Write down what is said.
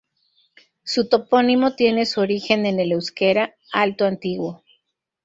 Su topónimo tiene su origen en el euskera: Alto Antiguo.